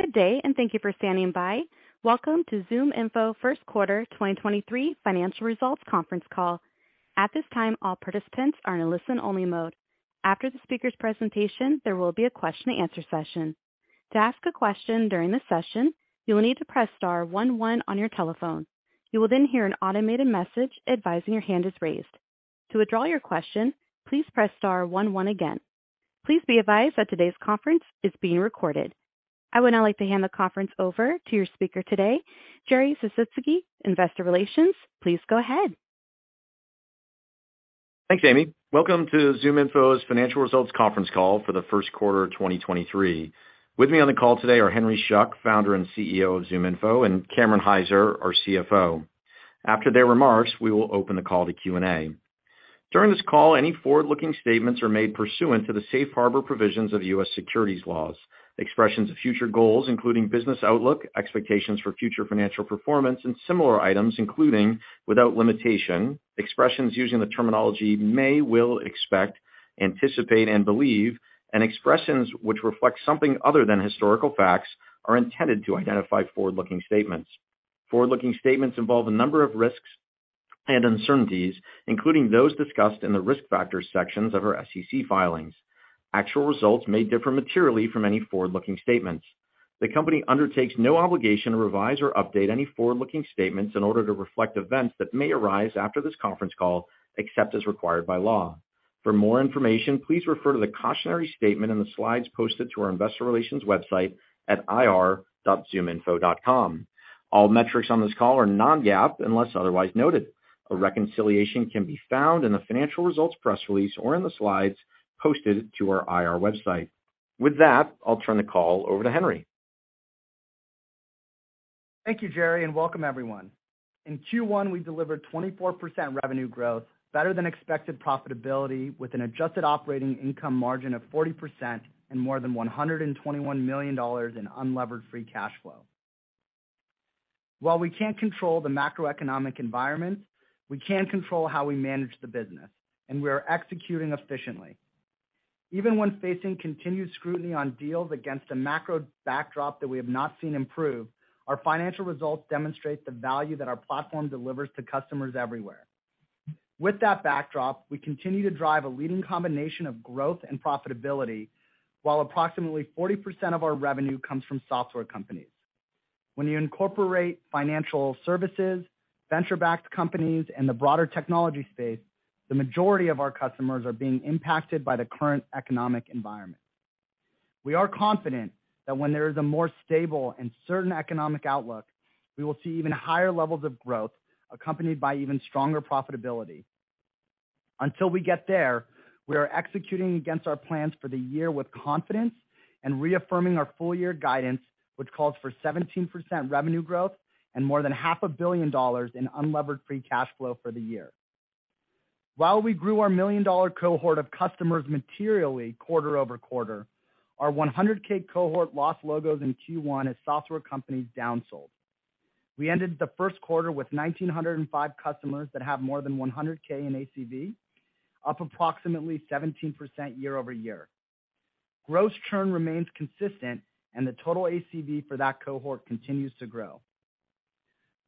Good day, thank you for standing by. Welcome to ZoomInfo Q1 2023 Financial Results Conference Call. At this time, all participants are in a listen-only mode. After the speaker's presentation, there will be a Question-and-Answer session. To ask a question during the session, you will need to press star-one-one your telephone. You will hear an automated message advising your hand is raised. To withdraw your question, please press star-one-one. Please be advised that today's conference is being recorded. I would now like to hand the conference over to your speaker today, Jerry Sisitsky, Investor Relations. Please go ahead. Thanks, Amy. Welcome to ZoomInfo's Financial Results Conference Call for the Q1 2023. With me on the call today are Henry Schuck, Founder and CEO of ZoomInfo, and Cameron Hyzer, our CFO. After their remarks, we will open the call to Q&A. During this call, any forward-looking statements are made pursuant to the Safe Harbor provisions of U.S. securities laws. Expressions of future goals, including business outlook, expectations for future financial performance, and similar items, including, without limitation, expressions using the terminology may, will, expect, anticipate, and believe, and expressions which reflect something other than historical facts, are intended to identify forward-looking statements. Forward-looking statements involve a number of risks and uncertainties, including those discussed in the Risk Factors sections of our SEC filings. Actual results may differ materially from any forward-looking statements. The company undertakes no obligation to revise or update any forward-looking statements in order to reflect events that may arise after this conference call, except as required by law. For more information, please refer to the cautionary statement in the slides posted to our Investor Relations website at ir.zoominfo.com. All metrics on this call are non-GAAP unless otherwise noted. A reconciliation can be found in the financial results press release or in the slides posted to our IR website. With that, I'll turn the call over to Henry. Thank you, Jerry, and welcome everyone. In Q1, we delivered 24% revenue growth, better than expected profitability with an adjusted operating income margin of 40% and more than $121 million in unlevered free cash flow. While we can't control the macroeconomic environment, we can control how we manage the business, and we are executing efficiently. Even when facing continued scrutiny on deals against a macro backdrop that we have not seen improve, our financial results demonstrate the value that our platform delivers to customers everywhere. With that backdrop, we continue to drive a leading combination of growth and profitability, while approximately 40% of our revenue comes from software companies. When you incorporate financial services, venture-backed companies, and the broader technology space, the majority of our customers are being impacted by the current economic environment. We are confident that when there is a more stable and certain economic outlook, we will see even higher levels of growth accompanied by even stronger profitability. Until we get there, we are executing against our plans for the year with confidence and reaffirming our full-year guidance, which calls for 17% revenue growth and more than half a billion dollars in unlevered free cash flow for the year. While we grew our million-dollar cohort of customers materially quarter-over-quarter, our 100K cohort lost logos in Q1 as software companies downsold. We ended the Q1 with 1,905 customers that have more than 100K in ACV, up approximately 17% year-over-year. Gross churn remains consistent, the total ACV for that cohort continues to grow.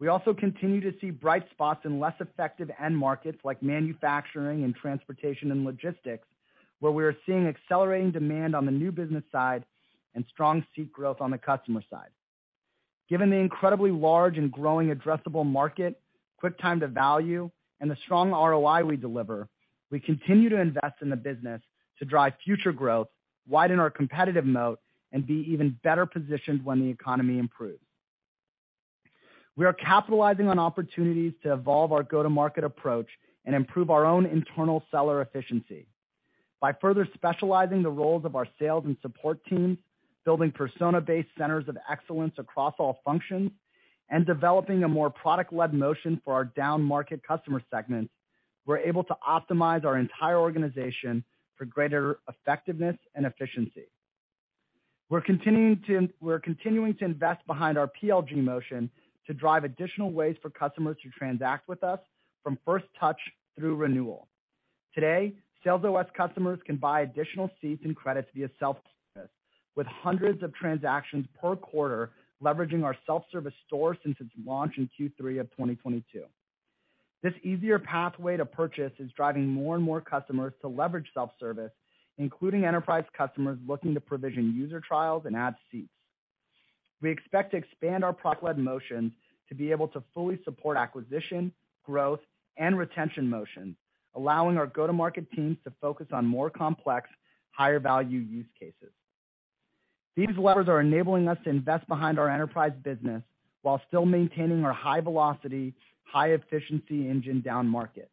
We also continue to see bright spots in less effective end markets like manufacturing and transportation and logistics, where we are seeing accelerating demand on the new business side and strong seat growth on the customer side. Given the incredibly large and growing addressable market, quick time to value, and the strong ROI we deliver, we continue to invest in the business to drive future growth, widen our competitive moat, and be even better positioned when the economy improves. We are capitalizing on opportunities to evolve our go-to-market approach and improve our own internal seller efficiency. By further specializing the roles of our sales and support teams, building persona-based centers of excellence across all functions, and developing a more product-led motion for our downmarket customer segments, we're able to optimize our entire organization for greater effectiveness and efficiency. We're continuing to invest behind our PLG motion to drive additional ways for customers to transact with us from first touch through renewal. Today, SalesOS customers can buy additional seats and credits via self-service, with hundreds of transactions per quarter leveraging our self-service store since its launch in Q3 of 2022. This easier pathway to purchase is driving more and more customers to leverage self-service, including enterprise customers looking to provision user trials and add seats. We expect to expand our product-led motion to be able to fully support acquisition, growth, and retention motion, allowing our go-to-market teams to focus on more complex, higher-value use cases. These levers are enabling us to invest behind our enterprise business while still maintaining our high velocity, high efficiency engine downmarket.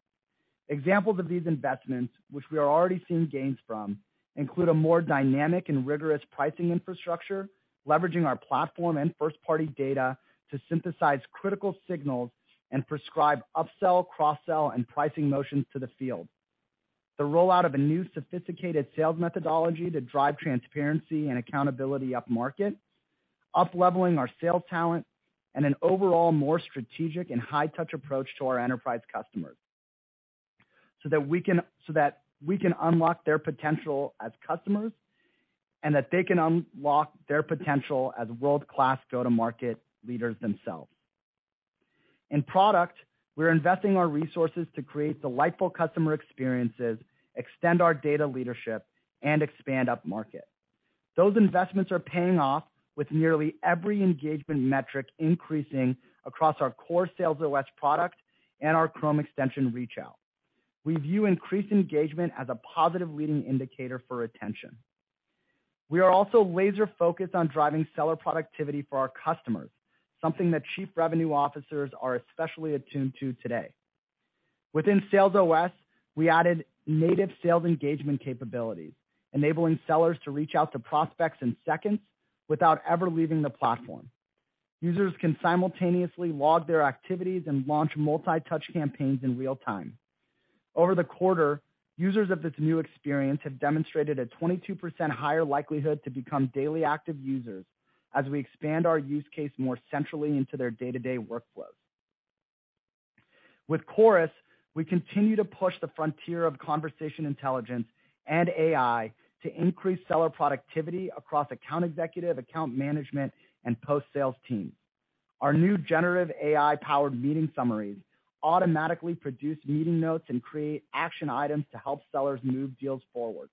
Examples of these investments, which we are already seeing gains from, include a more dynamic and rigorous pricing infrastructure, leveraging our platform and first-party data to synthesize critical signals and prescribe upsell, cross-sell, and pricing motions to the field. The rollout of a new sophisticated sales methodology to drive transparency and accountability upmarket, upleveling our sales talent, and an overall more strategic and high touch approach to our enterprise customers. That we can unlock their potential as customers, and that they can unlock their potential as world-class go-to-market leaders themselves. In product, we're investing our resources to create delightful customer experiences, extend our data leadership, and expand upmarket. Those investments are paying off with nearly every engagement metric increasing across our core SalesOS product and our Chrome extension ReachOut. We view increased engagement as a positive leading indicator for retention. We are also laser-focused on driving seller productivity for our customers, something that chief revenue officers are especially attuned to today. Within SalesOS, we added native sales engagement capabilities, enabling sellers to ReachOut to prospects in seconds without ever leaving the platform. Users can simultaneously log their activities and launch multi-touch campaigns in real time. Over the quarter, users of this new experience have demonstrated a 22% higher likelihood to become daily active users as we expand our use case more centrally into their day-to-day workflows. With Chorus, we continue to push the frontier of conversation intelligence and AI to increase seller productivity across account executive, account management, and post-sales teams. Our new generative AI-powered meeting summaries automatically produce meeting notes and create action items to help sellers move deals forward,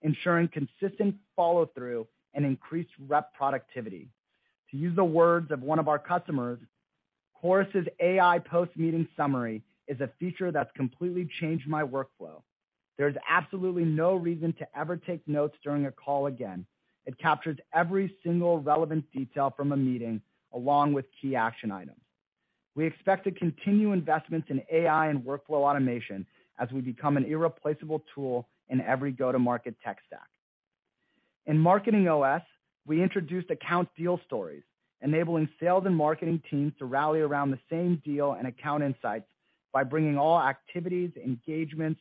ensuring consistent follow-through and increased rep productivity. To use the words of one of our customers, "Chorus' AI post-meeting summary is a feature that's completely changed my workflow. There is absolutely no reason to ever take notes during a call again. It captures every single relevant detail from a meeting along with key action items." We expect to continue investments in AI and workflow automation as we become an irreplaceable tool in every go-to-market tech stack. In MarketingOS, we introduced account deal stories, enabling sales and marketing teams to rally around the same deal and account insights by bringing all activities, engagements,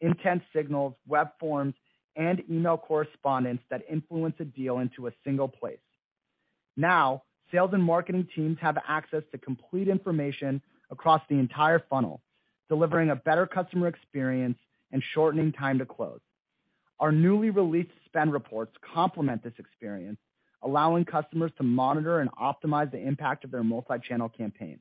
intent signals, web forms, and email correspondence that influence a deal into a single place. Now, sales and marketing teams have access to complete information across the entire funnel, delivering a better customer experience and shortening time to close. Our newly released spend reports complement this experience, allowing customers to monitor and optimize the impact of their multi-channel campaigns.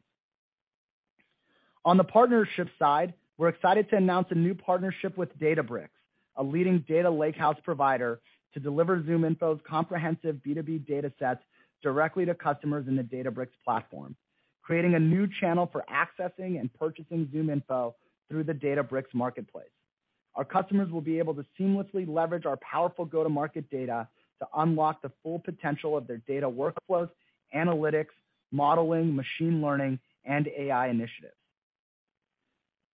On the partnership side, we're excited to announce a new partnership with Databricks, a leading data lakehouse provider, to deliver ZoomInfo's comprehensive B2B datasets directly to customers in the Databricks platform, creating a new channel for accessing and purchasing ZoomInfo through the Databricks Marketplace. Our customers will be able to seamlessly leverage our powerful go-to-market data to unlock the full potential of their data workflows, analytics, modeling, machine learning, and AI initiatives.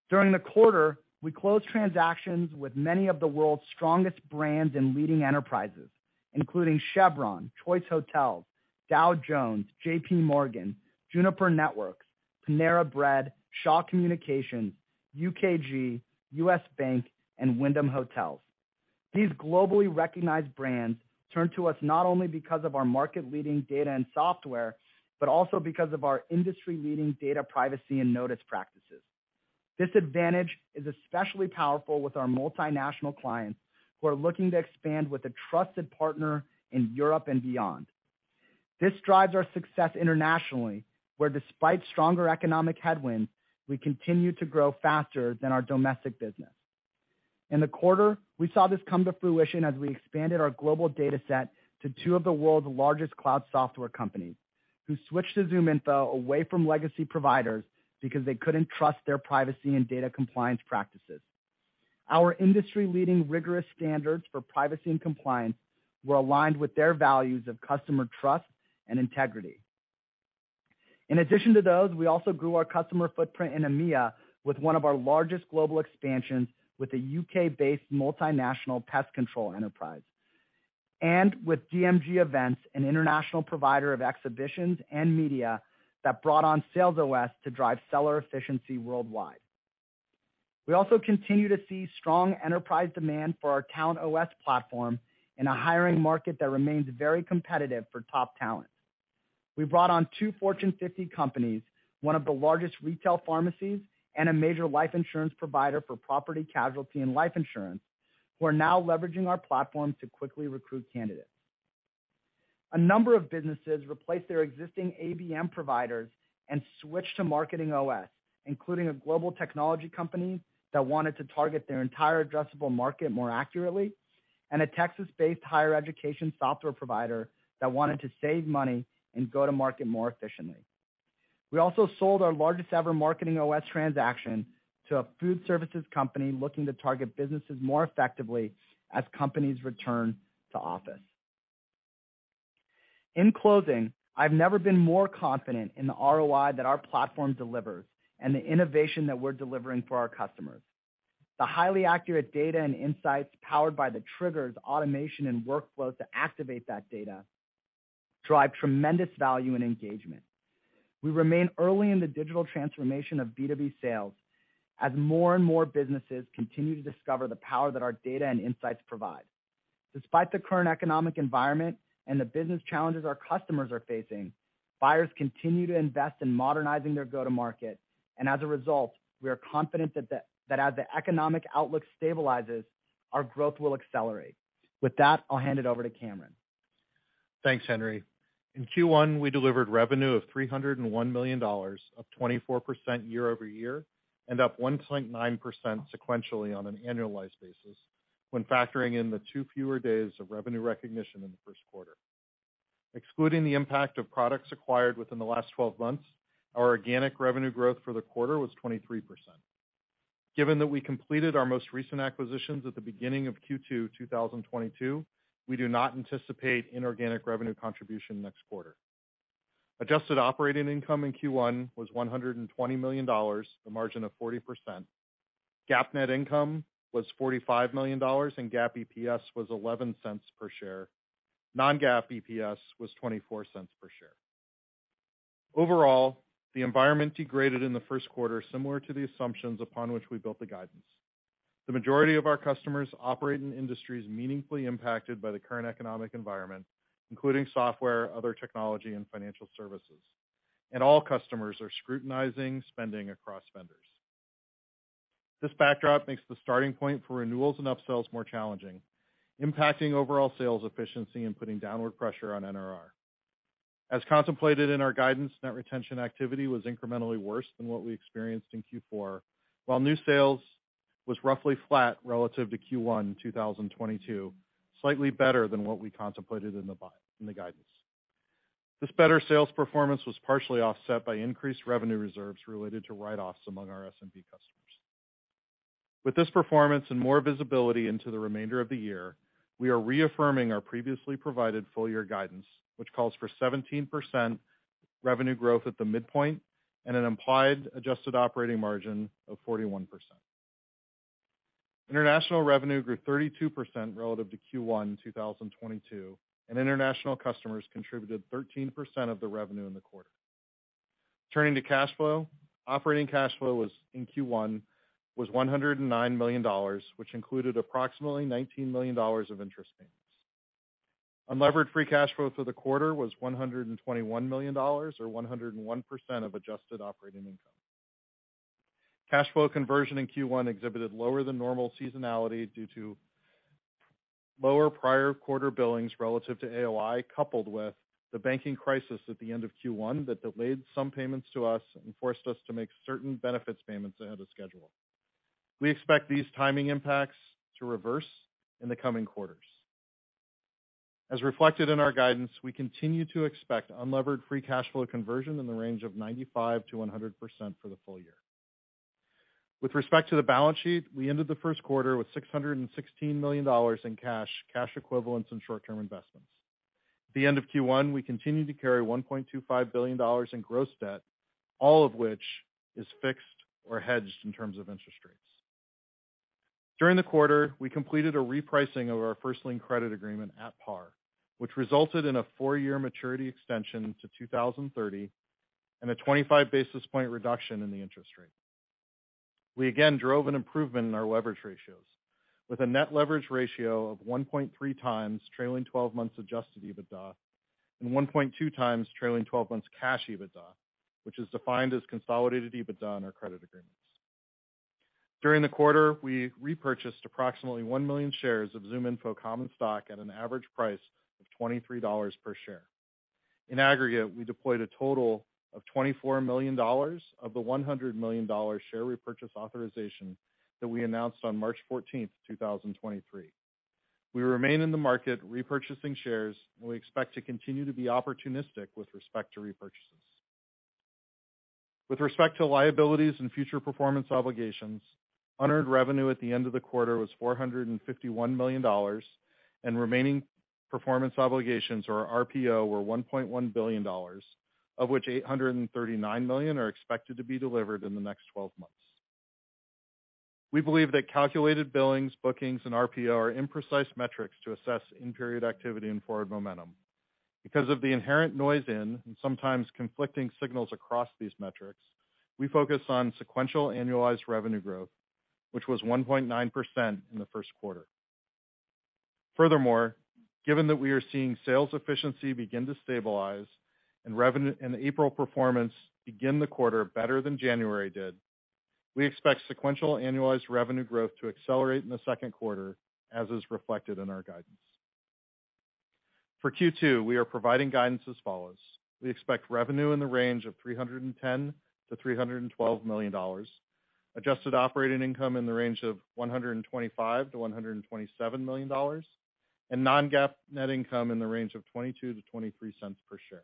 During the quarter, we closed transactions with many of the world's strongest brands and leading enterprises, including Chevron, Choice Hotels, Dow Jones, J.P. Morgan, Juniper Networks, Panera Bread, Shaw Communications, UKG, U.S. Bank, and Wyndham Hotels. These globally recognized brands turn to us not only because of our market-leading data and software, but also because of our industry-leading data privacy and notice practices. This advantage is especially powerful with our multinational clients who are looking to expand with a trusted partner in Europe and beyond. This drives our success internationally, where despite stronger economic headwinds, we continue to grow faster than our domestic business. In the quarter, we saw this come to fruition as we expanded our global data set to two of the world's largest cloud software companies who switched to ZoomInfo away from legacy providers because they couldn't trust their privacy and data compliance practices. Our industry-leading rigorous standards for privacy and compliance were aligned with their values of customer trust and integrity. In addition to those, we also grew our customer footprint in EMEA with one of our largest global expansions with a UK-based multinational pest control enterprise. With dmg events, an international provider of exhibitions and media that brought on SalesOS to drive seller efficiency worldwide. We also continue to see strong enterprise demand for our TalentOS platform in a hiring market that remains very competitive for top talent. We brought on 2 Fortune 50 companies, one of the largest retail pharmacies, and a major life insurance provider for property, casualty, and life insurance, who are now leveraging our platform to quickly recruit candidates. A number of businesses replaced their existing ABM providers and switched to MarketingOS, including a global technology company that wanted to target their entire addressable market more accurately, and a Texas-based higher education software provider that wanted to save money and go to market more efficiently. We also sold our largest-ever MarketingOS transaction to a food services company looking to target businesses more effectively as companies return to office. In closing, I've never been more confident in the ROI that our platform delivers and the innovation that we're delivering for our customers. The highly accurate data and insights powered by the triggers, automation, and workflows to activate that data drive tremendous value and engagement. We remain early in the digital transformation of B2B sales as more and more businesses continue to discover the power that our data and insights provide. Despite the current economic environment and the business challenges our customers are facing, buyers continue to invest in modernizing their go-to-market. As a result, we are confident that as the economic outlook stabilizes, our growth will accelerate. With that, I'll hand it over to Cameron. Thanks, Henry. In Q1, we delivered revenue of $301 million, up 24% year-over-year, and up 1.9% sequentially on an annualized basis when factoring in the 2 fewer days of revenue recognition in the Q1. Excluding the impact of products acquired within the last 12 months, our organic revenue growth for the quarter was 23%. Given that we completed our most recent acquisitions at the beginning of Q2, 2022, we do not anticipate inorganic revenue contribution next quarter. Adjusted operating income in Q1 was $120 million, a margin of 40%. GAAP net income was $45 million, and GAAP EPS was $0.11 per share. Non-GAAP EPS was $0.24 per share. Overall, the environment degraded in the Q1, similar to the assumptions upon which we built the guidance. The majority of our customers operate in industries meaningfully impacted by the current economic environment, including software, other technology, and financial services. All customers are scrutinizing spending across vendors. This backdrop makes the starting point for renewals and upsells more challenging, impacting overall sales efficiency and putting downward pressure on NRR. As contemplated in our guidance, net retention activity was incrementally worse than what we experienced in Q4, while new sales was roughly flat relative to Q1 2022, slightly better than what we contemplated in the guidance. This better sales performance was partially offset by increased revenue reserves related to write-offs among our SMB customers. With this performance and more visibility into the remainder of the year, we are reaffirming our previously provided full year guidance, which calls for 17% revenue growth at the midpoint, and an implied adjusted operating margin of 41%. International revenue grew 32% relative to Q1 2022, and international customers contributed 13% of the revenue in the quarter. Turning to cash flow. Operating cash flow in Q1 was $109 million, which included approximately $19 million of interest payments. Unlevered free cash flow for the quarter was $121 million or 101% of adjusted operating income. Cash flow conversion in Q1 exhibited lower than normal seasonality due to lower prior quarter billings relative to AOI, coupled with the banking crisis at the end of Q1 that delayed some payments to us and forced us to make certain benefits payments ahead of schedule. We expect these timing impacts to reverse in the coming quarters. As reflected in our guidance, we continue to expect unlevered free cash flow conversion in the range of 95%-100% for the full year. With respect to the balance sheet, we ended the Q1 with $616 million in cash equivalents, and short-term investments. At the end of Q1, we continued to carry $1.25 billion in gross debt, all of which is fixed or hedged in terms of interest rates. During the quarter, we completed a repricing of our first lien credit agreement at par, which resulted in a four-year maturity extension to 2030 and a 25 basis point reduction in the interest rate. We again drove an improvement in our leverage ratios with a net leverage ratio of 1.3 times trailing 12 months adjusted EBITDA and 1.2 times trailing 12 months cash EBITDA, which is defined as consolidated EBITDA on our credit agreements. During the quarter, we repurchased approximately 1 million shares of ZoomInfo common stock at an average price of $23 per share. In aggregate, we deployed a total of $24 million of the $100 million share repurchase authorization that we announced on March 14, 2023. We remain in the market repurchasing shares, and we expect to continue to be opportunistic with respect to repurchases. With respect to liabilities and future performance obligations, unearned revenue at the end of the quarter was $451 million, and remaining performance obligations or RPO were $1.1 billion, of which $839 million are expected to be delivered in the next 12 months. We believe that calculated billings, bookings, and RPO are imprecise metrics to assess in-period activity and forward momentum. Because of the inherent noise in, and sometimes conflicting signals across these metrics, we focus on sequential annualized revenue growth, which was 1.9% in the Q1. Furthermore, given that we are seeing sales efficiency begin to stabilize and April performance begin the quarter better than January did, we expect sequential annualized revenue growth to accelerate in the Q2, as is reflected in our guidance. For Q2, we are providing guidance as follows. We expect revenue in the range of $310 million-$312 million, adjusted operating income in the range of $125 million-$127 million, and non-GAAP net income in the range of $0.22-$0.23 per share.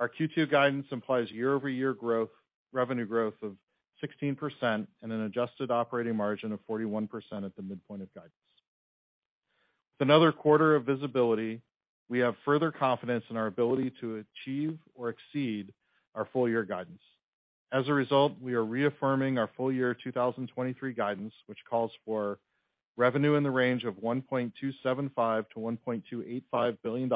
Our Q2 guidance implies year-over-year growth, revenue growth of 16% and an adjusted operating margin of 41% at the midpoint of guidance. With another quarter of visibility, we have further confidence in our ability to achieve or exceed our full year guidance. As a result, we are reaffirming our full year 2023 guidance, which calls for revenue in the range of $1.275 billion-$1.285 billion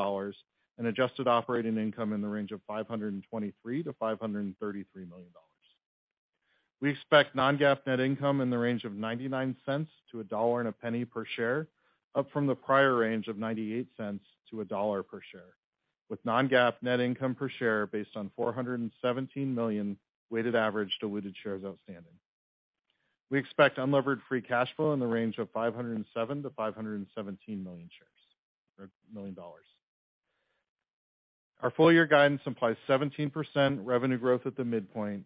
and adjusted operating income in the range of $523 million-$533 million. We expect non-GAAP net income in the range of $0.99-$1.01 per share, up from the prior range of $0.98-$1.00 per share, with non-GAAP net income per share based on 417 million weighted average diluted shares outstanding. We expect unlevered free cash flow in the range of $507 million-$517 million. Our full year guidance implies 17% revenue growth at the midpoint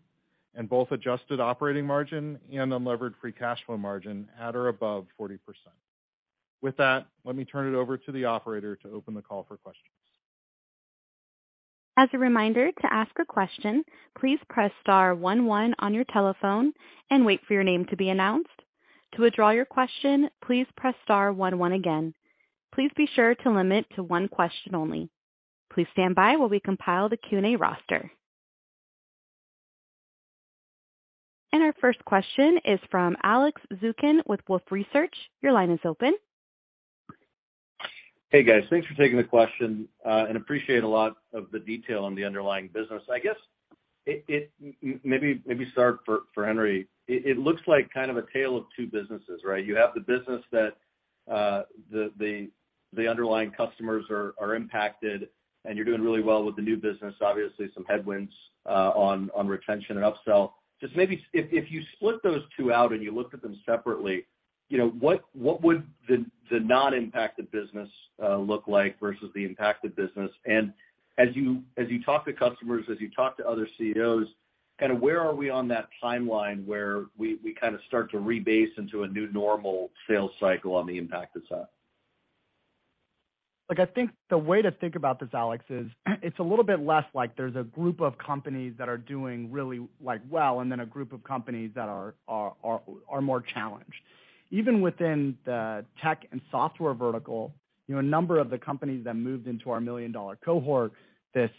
and both adjusted operating margin and unlevered free cash flow margin at or above 40%. With that, let me turn it over to the operator to open the call for questions. As a reminder, to ask a question, please press star-one-one on your telephone and wait for your name to be announced. To withdraw your question, please press star-one-one again. Please be sure to limit to one question only. Please stand by while we compile the Q&A roster. Our first question is from Alex Zukin with Wolfe Research. Your line is open. Hey, guys. Thanks for taking the question, and appreciate a lot of the detail on the underlying business. I guess maybe start for Henry. It looks like kind of a tale of two businesses, right? You have the business that the underlying customers are impacted, and you're doing really well with the new business. Obviously some headwinds on retention and upsell. Just maybe if you split those two out and you looked at them separately, you know, what would the non-impacted business look like versus the impacted business? As you talk to customers, as you talk to other CEOs, kinda where are we on that timeline where we kinda start to rebase into a new normal sales cycle on the impacted side? I think the way to think about this, Alex, is it's a little bit less like there's a group of companies that are doing really, like, well, and then a group of companies that are more challenged. Even within the tech and software vertical, you know, a number of the companies that moved into our million-dollar cohort this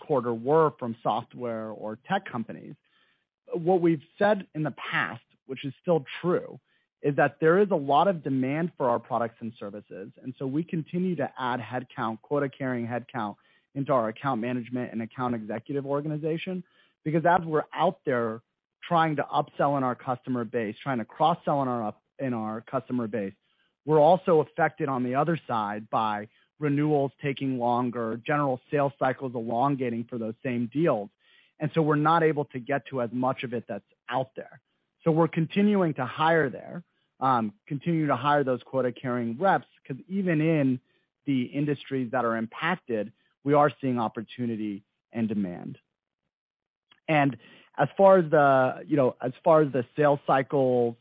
quarter were from software or tech companies. What we've said in the past, which is still true, is that there is a lot of demand for our products and services, we continue to add headcount, quota-carrying headcount into our account management and account executive organization. As we're out there trying to upsell in our customer base, trying to cross-sell in our customer base, we're also affected on the other side by renewals taking longer, general sales cycles elongating for those same deals. We're not able to get to as much of it that's out there. We're continuing to hire there, continuing to hire those quota-carrying reps, 'cause even in the industries that are impacted, we are seeing opportunity and demand. As far as the, you know, as far as the sales cycle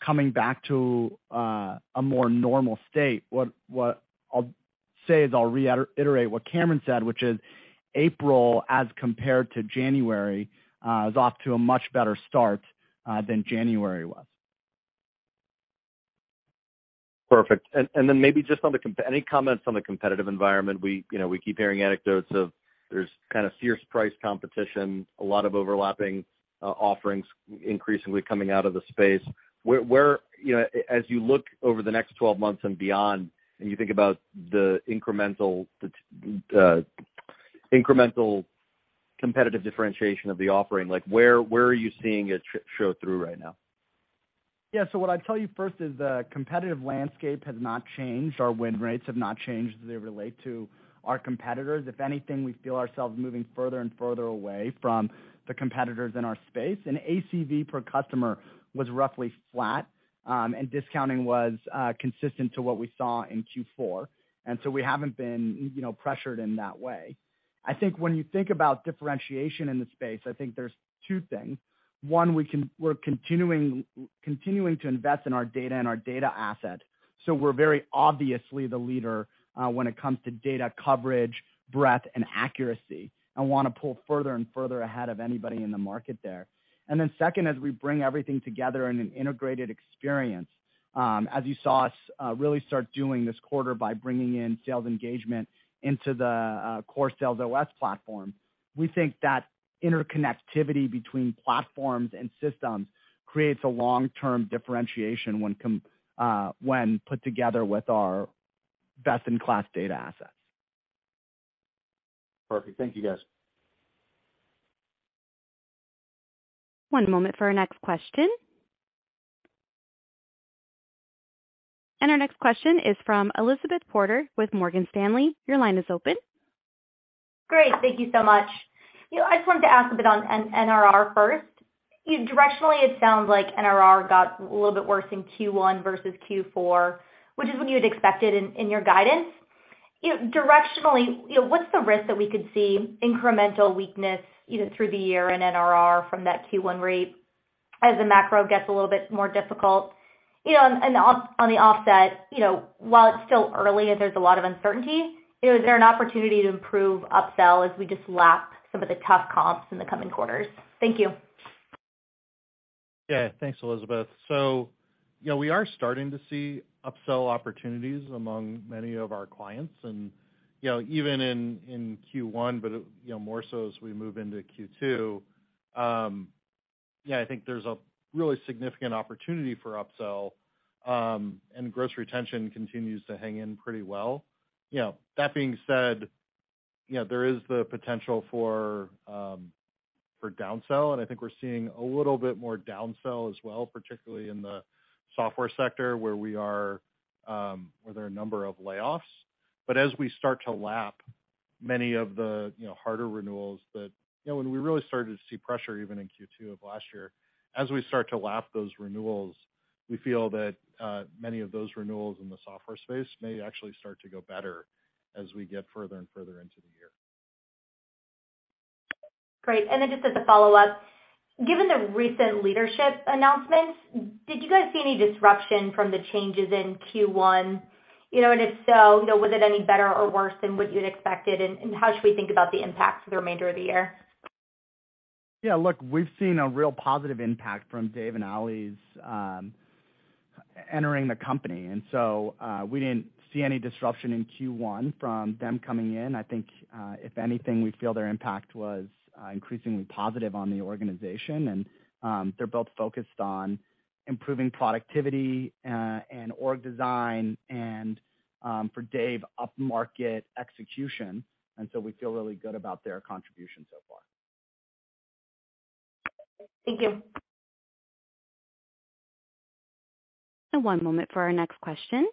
coming back to a more normal state, what I'll say is I'll reiterate what Cameron said, which is April as compared to January, is off to a much better start than January was. Perfect. Then maybe just on the competitive environment. We, you know, we keep hearing anecdotes of there's kinda fierce price competition, a lot of overlapping offerings increasingly coming out of the space. Where... You know, as you look over the next 12 months and beyond, and you think about the incremental competitive differentiation of the offering, like, where are you seeing it show through right now? Yeah. So what I'd tell you first is the competitive landscape has not changed. Our win rates have not changed as they relate to our competitors. If anything, we feel ourselves moving further and further away from the competitors in our space. ACV per customer was roughly flat, and discounting was consistent to what we saw in Q4. We haven't been, you know, pressured in that way. I think when you think about differentiation in the space, I think there's two things. One, we're continuing to invest in our data and our data asset, so we're very obviously the leader when it comes to data coverage, breadth, and accuracy and wanna pull further and further ahead of anybody in the market there. Second, as we bring everything together in an integrated experience, as you saw us really start doing this quarter by bringing in sales engagement into the core SalesOS platform, we think that interconnectivity between platforms and systems creates a long-term differentiation when put together with our best-in-class data assets. Perfect. Thank you, guys. One moment for our next question. Our next question is from Elizabeth Porter with Morgan Stanley. Your line is open. Great. Thank you so much. You know, I just wanted to ask a bit on NRR first. Directionally, it sounds like NRR got a little bit worse in Q1 versus Q4, which is what you had expected in your guidance. You know, directionally, you know, what's the risk that we could see incremental weakness, you know, through the year in NRR from that Q1 rate as the macro gets a little bit more difficult? You know, and on the offset, you know, while it's still early and there's a lot of uncertainty, you know, is there an opportunity to improve upsell as we just lap some of the tough comps in the coming quarters? Thank you. Yeah. Thanks, Elizabeth. You know, we are starting to see upsell opportunities among many of our clients and, you know, even in Q1, but, you know, more so as we move into Q2. Yeah, I think there's a really significant opportunity for upsell, and gross retention continues to hang in pretty well. You know, that being saidYeah, there is the potential for downsell, and I think we're seeing a little bit more downsell as well, particularly in the software sector where we are, where there are a number of layoffs. As we start to lap many of the, you know, harder renewals that, you know, when we really started to see pressure even in Q2 of last year, as we start to lap those renewals, we feel that, many of those renewals in the software space may actually start to go better as we get further and further into the year. Great. Just as a follow-up, given the recent leadership announcements, did you guys see any disruption from the changes in Q1? You know, if so, you know, was it any better or worse than what you had expected? How should we think about the impact for the remainder of the year? Yeah. Look, we've seen a real positive impact from Dave and Ali's entering the company. We didn't see any disruption in Q1 from them coming in. I think, if anything, we feel their impact was increasingly positive on the organization. They're both focused on improving productivity, and org design and, for Dave, upmarket execution. We feel really good about their contribution so far. Thank you. One moment for our next question.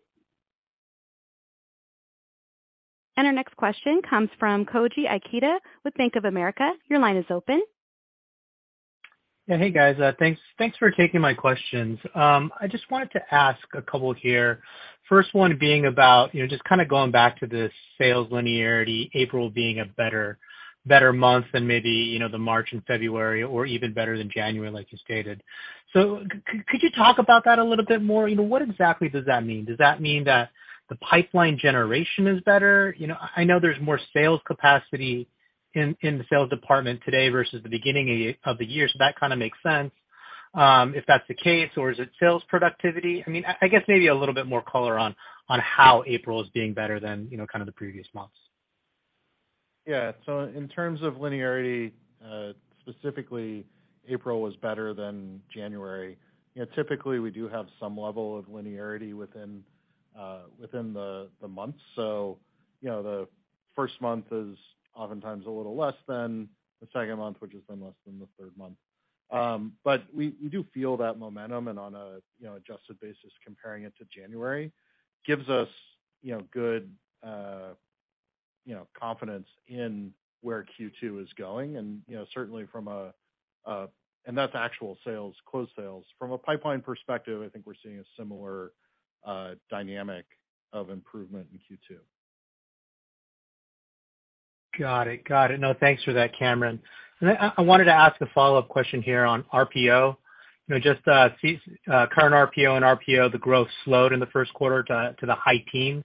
Our next question comes from Koji Ikeda with Bank of America. Your line is open. Yeah. Hey, guys. thanks for taking my questions. I just wanted to ask a couple here. First one being about, you know, just kinda going back to the sales linearity, April being a better month than maybe, you know, the March and February, or even better than January, like you stated. Could you talk about that a little bit more? You know, what exactly does that mean? Does that mean that the pipeline generation is better? You know, I know there's more sales capacity in the sales department today versus the beginning of the year, so that kinda makes sense, if that's the case. Or is it sales productivity? I mean, I guess maybe a little bit more color on how April is being better than, you know, kind of the previous months. In terms of linearity, specifically April was better than January. You know, typically we do have some level of linearity within the months. You know, the first month is oftentimes a little less than the second month, which is then less than the third month. But we do feel that momentum and on a, you know, adjusted basis comparing it to January gives us, you know, good, you know, confidence in where Q2 is going. You know, certainly that's actual sales, closed sales. From a pipeline perspective, I think we're seeing a similar dynamic of improvement in Q2. Got it. Got it. No, thanks for that, Cameron. I wanted to ask a follow-up question here on RPO. You know, just current RPO and RPO, the growth slowed in the Q1 to the high teens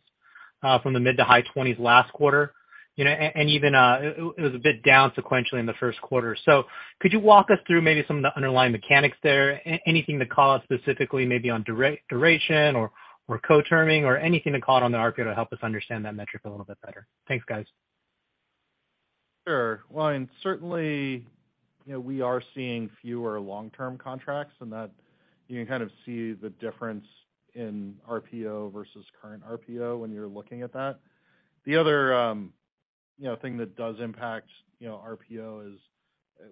from the mid to high twenties last quarter. You know, even it was a bit down sequentially in the Q1. Could you walk us through maybe some of the underlying mechanics there? Anything that caused specifically maybe on duration or co-terming or anything that caught on the RPO to help us understand that metric a little bit better? Thanks, guys. Sure. Certainly, you know, we are seeing fewer long-term contracts, and that you can kind of see the difference in RPO versus current RPO when you're looking at that. The other, you know, thing that does impact, you know, RPO is,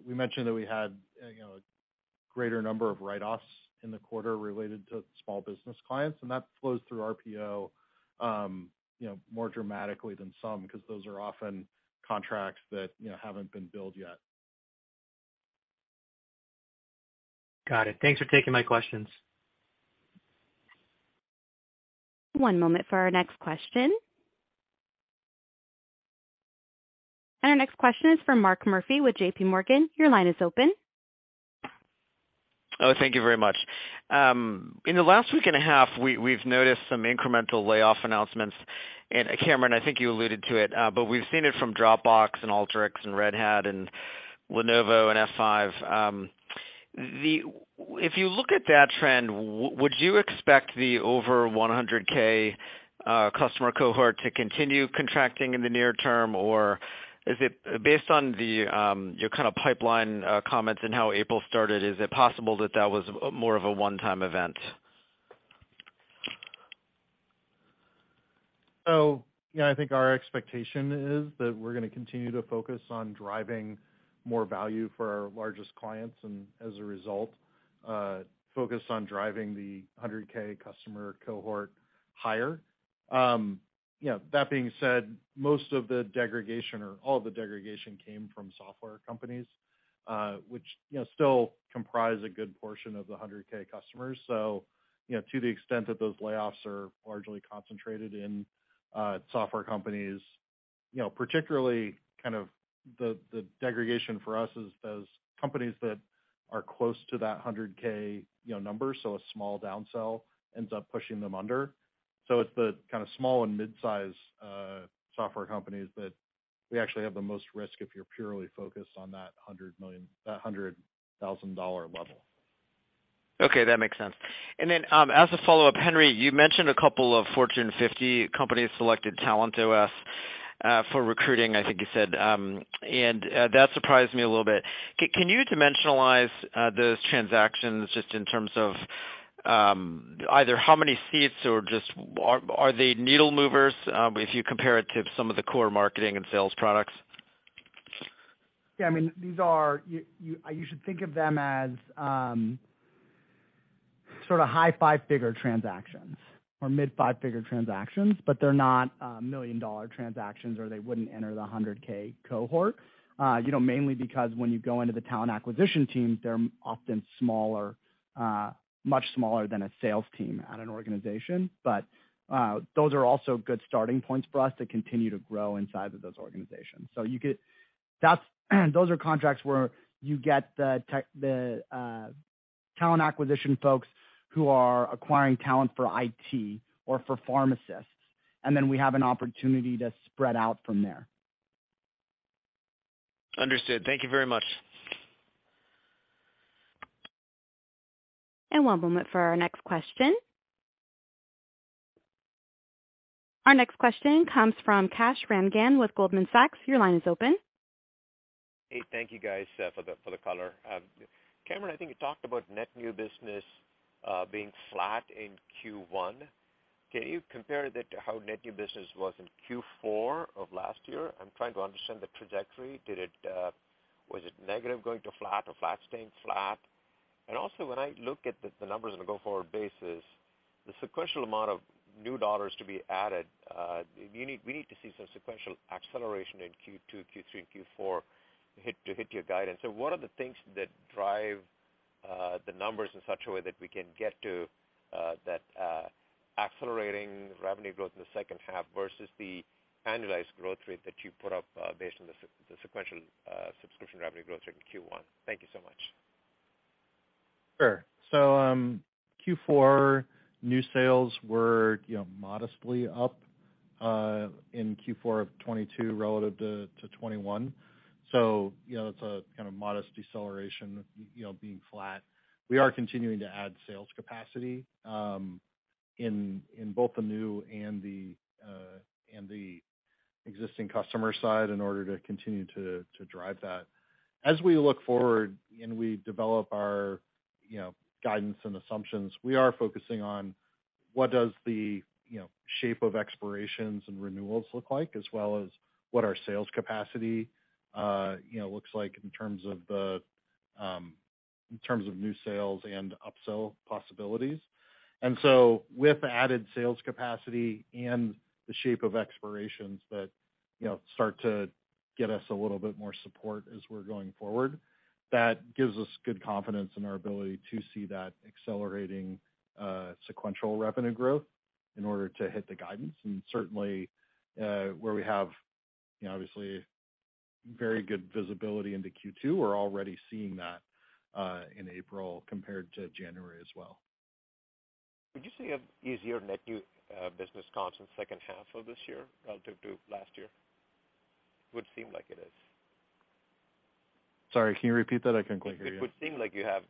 we mentioned that we had, you know, a greater number of write-offs in the quarter related to small business clients, and that flows through RPO, you know, more dramatically than some because those are often contracts that, you know, haven't been billed yet. Got it. Thanks for taking my questions. One moment for our next question. Our next question is from Mark Murphy with J.P. Morgan. Your line is open. Thank you very much. In the last week and a half, we've noticed some incremental layoff announcements. Cameron, I think you alluded to it, but we've seen it from Dropbox and Alteryx and Red Hat and Lenovo and F5. If you look at that trend, would you expect the over 100K customer cohort to continue contracting in the near term? Is it based on your kind of pipeline comments and how April started, is it possible that that was more of a one-time event? Yeah, I think our expectation is that we're gonna continue to focus on driving more value for our largest clients and as a result, focus on driving the 100K customer cohort higher. You know, that being said, most of the degradation or all of the degradation came from software companies, which, you know, still comprise a good portion of the 100K customers. You know, to the extent that those layoffs are largely concentrated in software companies, you know, particularly kind of the degradation for us is those companies that are close to that 100K, you know, number, so a small downsell ends up pushing them under. It's the kinda small and mid-size software companies that we actually have the most risk if you're purely focused on that $100 thousand dollar level. Okay, that makes sense. As a follow-up, Henry, you mentioned a couple of Fortune 50 companies selected TalentOS for recruiting, I think you said, that surprised me a little bit. Can you dimensionalize those transactions just in terms of either how many seats or just are they needle movers, if you compare it to some of the core marketing and sales products? Yeah. I mean these are You should think of them as sort of high five-figure transactions or mid five-figure transactions, they're not million-dollar transactions, they wouldn't enter the 100K cohort. you know, mainly because when you go into the talent acquisition team, they're often smaller, much smaller than a sales team at an organization. Those are also good starting points for us to continue to grow inside of those organizations. Those are contracts where you get the talent acquisition folks who are acquiring talent for IT or for pharmacists, we have an opportunity to spread out from there. Understood. Thank you very much. One moment for our next question. Our next question comes from Kash Rangan with Goldman Sachs. Your line is open. Hey, thank you guys, for the color. Cameron, I think you talked about net new business, being flat in Q1. Can you compare that to how net new business was in Q4 of last year? I'm trying to understand the trajectory. Did it, was it negative going to flat or flat staying flat? Also, when I look at the numbers on a go-forward basis, the sequential amount of new dollars to be added, we need to see some sequential acceleration in Q2, Q3, and Q4 to hit your guidance. What are the things that drive the numbers in such a way that we can get to that accelerating revenue growth in the second half versus the annualized growth rate that you put up based on the sequential subscription revenue growth rate in Q1? Thank you so much. Sure. Q4 new sales were, you know, modestly up in Q4 of 2022 relative to 2021. It's a kind of modest deceleration, you know, being flat. We are continuing to add sales capacity in both the new and the existing customer side in order to continue to drive that. As we look forward and we develop our, you know, guidance and assumptions, we are focusing on what does the, you know, shape of expirations and renewals look like as well as what our sales capacity, you know, looks like in terms of new sales and upsell possibilities. With added sales capacity and the shape of expirations that, you know, start to get us a little bit more support as we're going forward, that gives us good confidence in our ability to see that accelerating sequential revenue growth in order to hit the guidance. Certainly, where we have, you know, obviously very good visibility into Q2, we're already seeing that in April compared to January as well. Would you say you have easier net new business comps in second half of this year relative to last year? It would seem like it is. Sorry, can you repeat that? I couldn't quite hear you. It would seem like you have,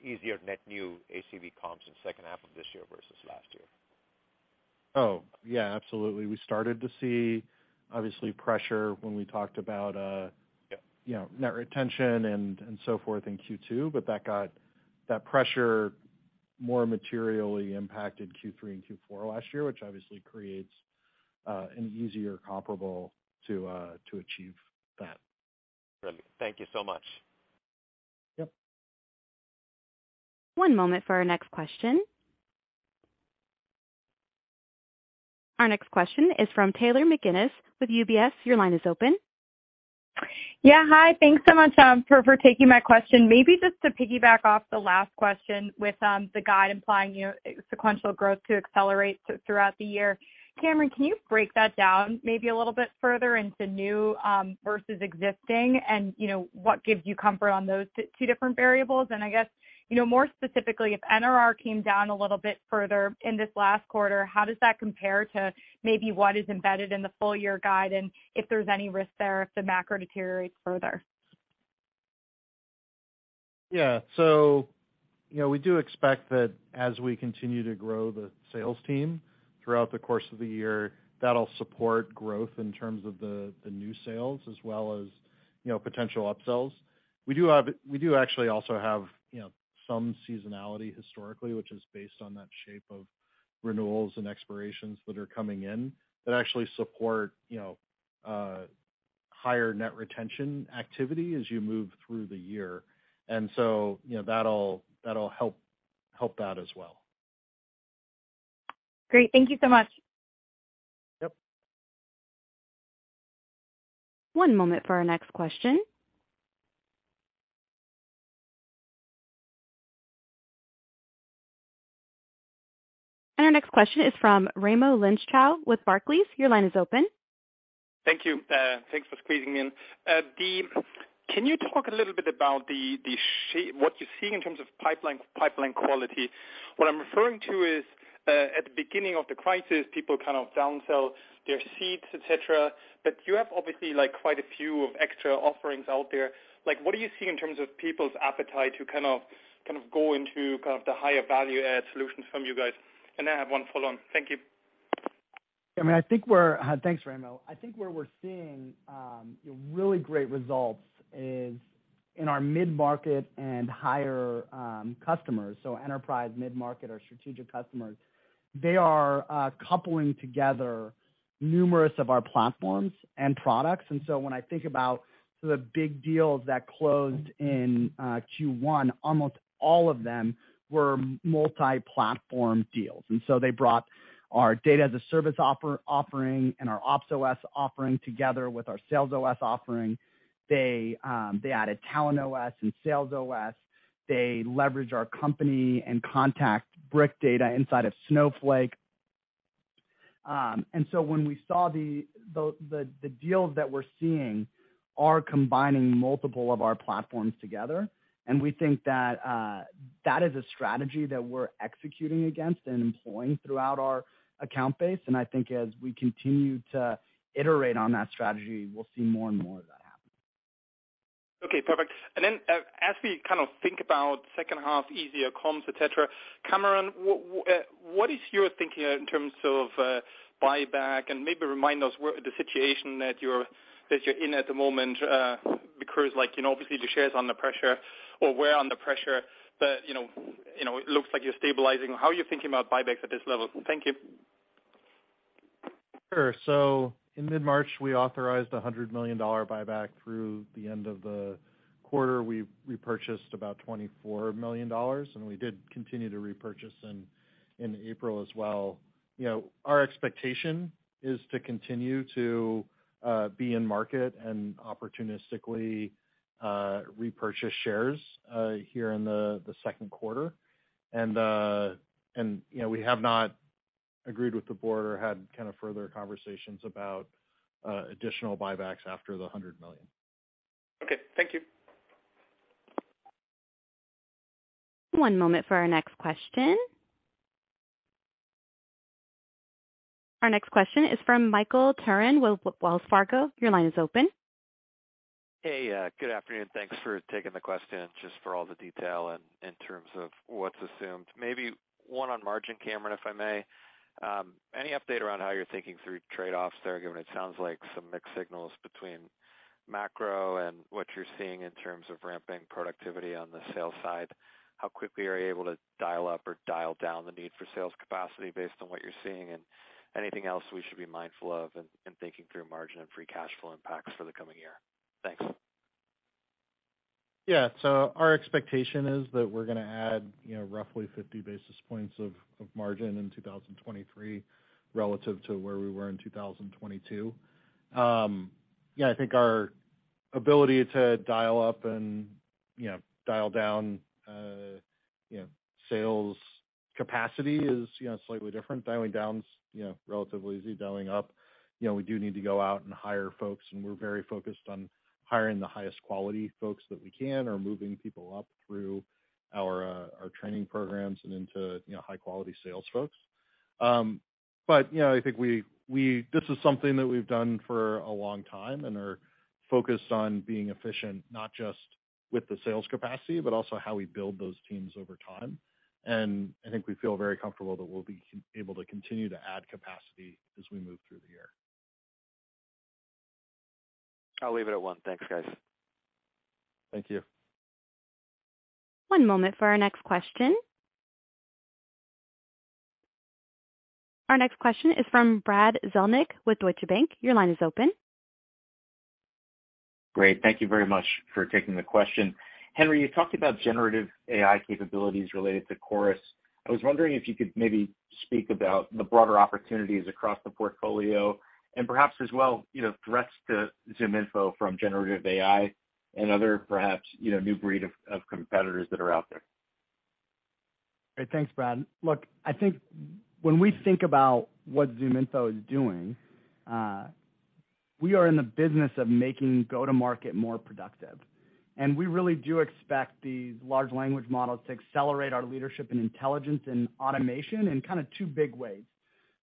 easier net new ACV comps in second half of this year versus last year. Yeah, absolutely. We started to see obviously pressure when we talked about, you know, net retention and so forth in Q2, but that got that pressure more materially impacted Q3 and Q4 last year, which obviously creates an easier comparable to achieve that. Brilliant. Thank you so much. Yep. One moment for our next question. Our next question is from Taylor McGinnis with UBS. Your line is open. Yeah. Hi. Thanks so much for taking my question. Maybe just to piggyback off the last question with the guide implying your sequential growth to accelerate throughout the year, Cameron, can you break that down maybe a little bit further into new versus existing? You know, what gives you comfort on those two different variables? I guess, you know, more specifically, if NRR came down a little bit further in this last quarter, how does that compare to maybe what is embedded in the full year guide and if there's any risk there if the macro deteriorates further? Yeah. You know, we do expect that as we continue to grow the sales team throughout the course of the year, that'll support growth in terms of the new sales as well as, you know, potential upsells. We do actually also have, you know, some seasonality historically, which is based on that shape of renewals and expirations that are coming in that actually support, you know, higher net retention activity as you move through the year. You know, that'll help that as well. Great. Thank you so much. Yep. One moment for our next question. Our next question is from Raimo Lenschow with Barclays. Your line is open. Thank you. Thanks for squeezing in. Can you talk a little bit about what you're seeing in terms of pipeline quality? What I'm referring to is, at the beginning of the crisis, people kind of downsell their seats, et cetera, but you have obviously like quite a few of extra offerings out there. Like, what do you see in terms of people's appetite to kind of go into kind of the higher value add solutions from you guys? I have one follow-on. Thank you. I mean, I think thanks, Raimo. I think where we're seeing really great results is in our mid-market and higher customers. Enterprise mid-market or strategic customers, they are coupling together numerous of our platforms and products. When I think about the big deals that closed in Q1, almost all of them were multi-platform deals. They brought our data as a service offering and our Ops OS offering together with our SalesOS offering. They added Talent OS and SalesOS. They leveraged our company and contact bulk data inside of Snowflake. When we saw the deals that we're seeing are combining multiple of our platforms together, and we think that is a strategy that we're executing against and employing throughout our account base. I think as we continue to iterate on that strategy, we'll see more and more of that happen. Okay, perfect. Then, as we kind of think about second half easier comps, et cetera, Cameron, what is your thinking in terms of buyback and maybe remind us where the situation that you're in at the moment, because like, you know, obviously the share is under pressure or we're under pressure, but, you know, it looks like you're stabilizing. How are you thinking about buybacks at this level? Thank you. Sure. In mid-March, we authorized a $100 million buyback. Through the end of the quarter, we repurchased about $24 million, and we did continue to repurchase in April as well. You know, our expectation is to continue to be in market and opportunistically repurchase shares here in the Q2. You know, we have not agreed with the board or had kind of further conversations about additional buybacks after the $100 million. Okay, thank you. One moment for our next question. Our next question is from Michael Turrin with Wells Fargo. Your line is open. Hey, good afternoon. Thanks for taking the question just for all the detail in terms of what's assumed. Maybe one on margin, Cameron, if I may. Any update around how you're thinking through trade-offs there, given it sounds like some mixed signals between macro and what you're seeing in terms of ramping productivity on the sales side? How quickly are you able to dial up or dial down the need for sales capacity based on what you're seeing, and anything else we should be mindful of in thinking through margin and free cash flow impacts for the coming year? Thanks. Yeah. Our expectation is that we're gonna add, you know, roughly 50 basis points of margin in 2023 relative to where we were in 2022. Yeah, I think our ability to dial up and, you know, dial down, you know, sales capacity is, you know, slightly different. Dialing down is, you know, relatively easy. Dialing up, you know, we do need to go out and hire folks, and we're very focused on hiring the highest quality folks that we can or moving people up through our training programs and into, you know, high-quality sales folks. You know, I think we, this is something that we've done for a long time and are focused on being efficient, not just with the sales capacity, but also how we build those teams over time. I think we feel very comfortable that we'll be able to continue to add capacity as we move through the year. I'll leave it at one. Thanks, guys. Thank you. One moment for our next question. Our next question is from Brad Zelnick with Deutsche Bank. Your line is open. Great. Thank you very much for taking the question. Henry, you talked about generative AI capabilities related to Chorus. I was wondering if you could maybe speak about the broader opportunities across the portfolio and perhaps as well, you know, threats to ZoomInfo from generative AI and other perhaps, you know, new breed of competitors that are out there? Great. Thanks, Brad. Look, I think when we think about what ZoomInfo is doing, we are in the business of making go-to-market more productive, and we really do expect these large language models to accelerate our leadership in intelligence and automation in kinda two big ways: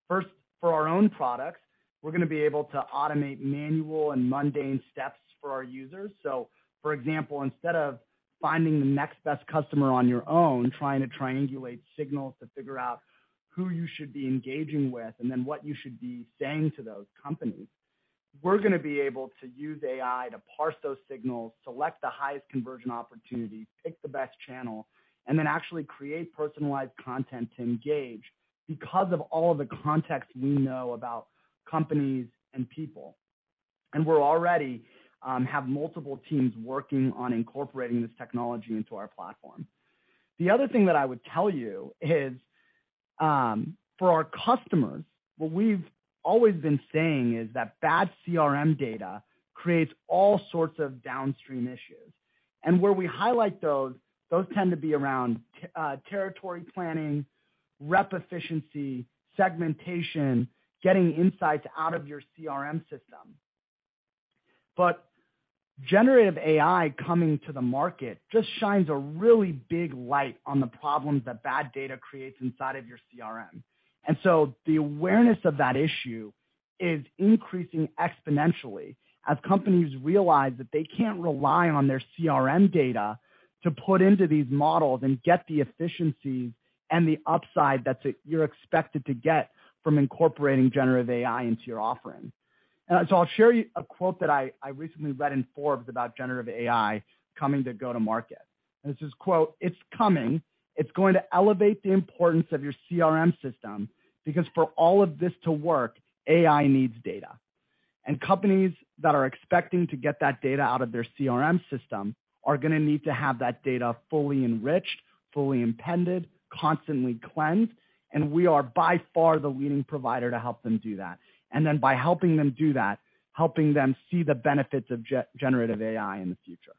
First, for our own products, we're gonna be able to automate manual and mundane steps for our users. For example, instead of finding the next best customer on your own, trying to triangulate signals to figure out who you should be engaging with and then what you should be saying to those companies, we're gonna be able to use AI to parse those signals, select the highest conversion opportunities, pick the best channel, and then actually create personalized content to engage because of all the context we know about companies and people. We're already have multiple teams working on incorporating this technology into our platform. The other thing that I would tell you is, for our customers, what we've always been saying is that bad CRM data creates all sorts of downstream issues. Where we highlight those tend to be around territory planning, rep efficiency, segmentation, getting insights out of your CRM system. Generative AI coming to the market just shines a really big light on the problems that bad data creates inside of your CRM. The awareness of that issue is increasing exponentially as companies realize that they can't rely on their CRM data to put into these models and get the efficiencies and the upside that's you're expected to get from incorporating generative AI into your offering. I'll share you a quote that I recently read in Forbes about generative AI coming to go to market. It says, quote, "It's coming. It's going to elevate the importance of your CRM system because for all of this to work, AI needs data." Companies that are expecting to get that data out of their CRM system are gonna need to have that data fully enriched, fully impended, constantly cleansed, and we are by far the leading provider to help them do that. Then by helping them do that, helping them see the benefits of generative AI in the future.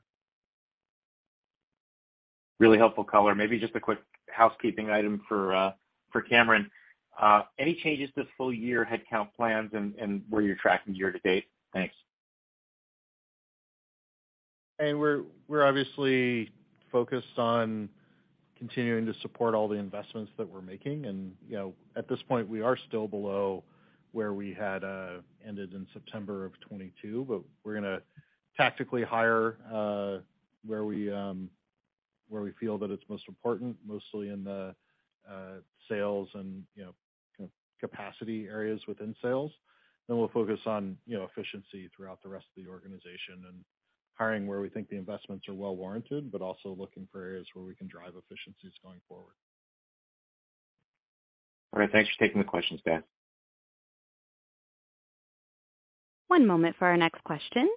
Really helpful color. Maybe just a quick housekeeping item for Cameron. Any changes this full year, headcount plans and where you're tracking year to date? Thanks. We're obviously focused on continuing to support all the investments that we're making. You know, at this point, we are still below where we had ended in September of 2022, but we're gonna tactically hire where we feel that it's most important, mostly in the sales and, you know, capacity areas within sales. We'll focus on, you know, efficiency throughout the rest of the organization and hiring where we think the investments are well warranted, but also looking for areas where we can drive efficiencies going forward. All right. Thanks for taking the questions, Dan. One moment for our next question.